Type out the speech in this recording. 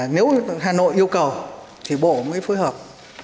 nếu hà nội yêu cầu thì bộ mới phối hợp